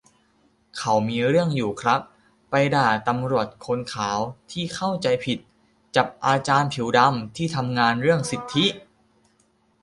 เขามีเรื่องอยู่ครับ ไปด่าตำรวจคนขาวที่เข้าใจผิด จับอาจารย์ผิวดำที่ทำงานเรื่องสิทธิ